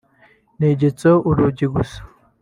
negetseho urugi gusa